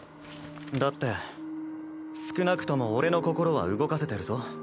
だって少なくとも俺の心は動かせてるぞ。